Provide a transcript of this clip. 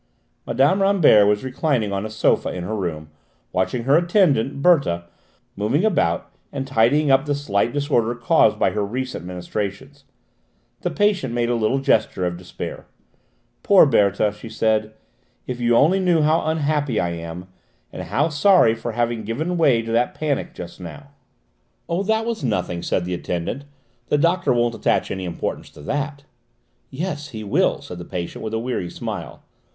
Mme. Rambert was reclining on a sofa in her room, watching her attendant, Berthe, moving about and tidying up the slight disorder caused by her recent ministrations. The patient made a little gesture of despair. "Poor Berthe!" she said. "If you only knew how unhappy I am, and how sorry for having given way to that panic just now!" "Oh, that was nothing," said the attendant. "The doctor won't attach any importance to that." "Yes, he will," said the patient with a weary smile.